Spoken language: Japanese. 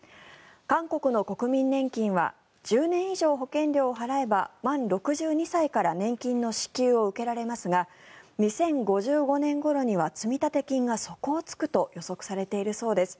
韓国の国民年金は１０年以上保険料を払えば満６２歳から年金の支給を受けられますが２０５５年ごろには積立金が底を突くと予測されているそうです。